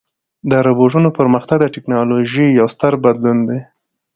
د روبوټونو پرمختګ د ټکنالوژۍ یو ستر بدلون دی.